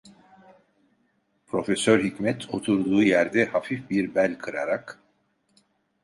Profesör Hikmet oturduğu yerde hafif bir bel kırarak: